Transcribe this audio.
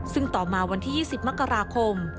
ซึ่งต่อมาวันที่๒๐มกราคม